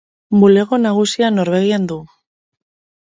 Bulego nagusia Norvegian du.